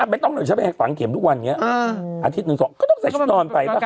ไม่ต้องหน่อยใช่ไหมฝังเขียบทุกวันเงี้ยอาทิตย์หนึ่งสองก็ต้องใส่ชุดนอนไป